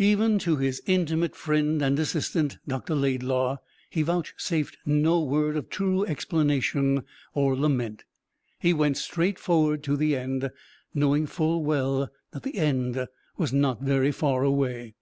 Even to his intimate friend and assistant, Dr. Laidlaw, he vouchsafed no word of true explanation or lament. He went straight forward to the end, knowing well that the end was not very far away.